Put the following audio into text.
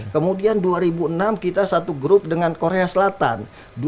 kemudian dua ribu enam kita satu grup dengan korea selatan